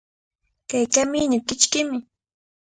Kay kamiñuqa kichkimi.